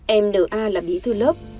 em nna là bí thư lớp